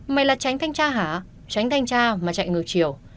mà là tránh thanh tra hả tránh thanh tra mà chạy ngược chiều